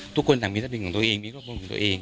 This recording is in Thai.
ทุกคนต่างมีทรัพย์สมบัติของตัวเองมีทรัพย์สมบัติของตัวเอง